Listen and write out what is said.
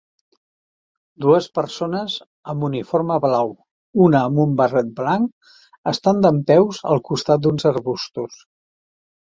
Dues persones amb uniforme blau, una amb un barret blanc, estan dempeus al costat d'uns arbustos.